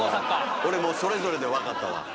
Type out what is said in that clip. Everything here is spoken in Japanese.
俺もう「それぞれ」で分かったわ。